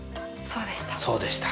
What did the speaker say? そうでした。